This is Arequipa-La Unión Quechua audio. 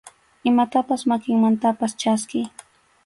Imatapas makinmantapas chaskiy.